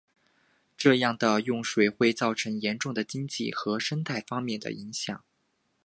这样的用水会造成严重的经济和生态方面的影响。